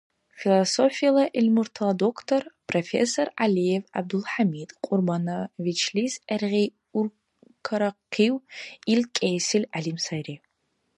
Философияла гӀилмуртала доктор, профессор ГӀялиев ГӀябдулхӀямид Кьурбановичлис гӀергъи Уркарахъив ил кӀиэсил гӀялим сайри.